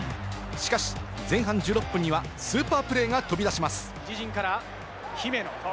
しかし、前半１６分にはスーパープレーが飛び出します。